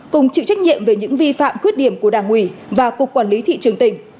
cùng chịu trách nhiệm về những vi phạm khuyết điểm của đảng ủy và cục quản lý thị trường tỉnh